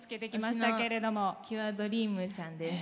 キュアドリームちゃんです。